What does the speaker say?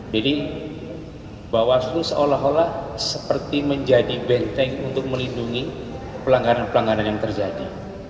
jadi bawaslu seolah olah seperti menjadi benteng untuk melindungi pelanggaran pelanggaran yang terjadi